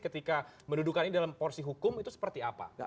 ketika mendudukannya dalam porsi hukum itu seperti apa